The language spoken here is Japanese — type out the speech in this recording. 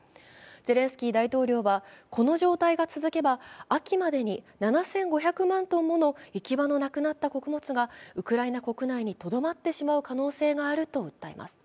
ゼレンスキー大統領はこの状態が続けば、秋までに７５００万ｔもの行き場のなくなった穀物がウクライナ国内にとどまってしまう可能性があると訴えます。